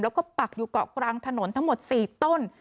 แล้วก็ปักอยู่เกาะกลางถนนทั้งหมด๔ต้น